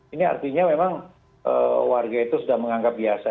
ini artinya memang warga itu sudah menganggap biasa